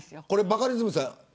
バカリズムさん